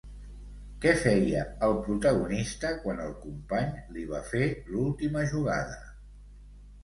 Què feia el protagonista quan el company li va fer l'última jugada?